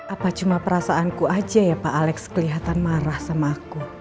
apa cuma perasaanku aja ya pak alex kelihatan marah sama aku